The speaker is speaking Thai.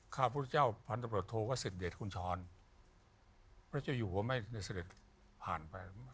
ข้าพุทธเจ้าพันธุรกิจโทษว่าเสด็จคุณช้อนพระเจ้าอยู่หัวไม่ได้เสด็จผ่านไป